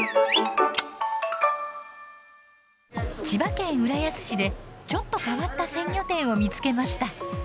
千葉県浦安市でちょっと変わった鮮魚店を見つけました。